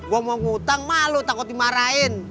gue mau ngutang malu takut dimarahin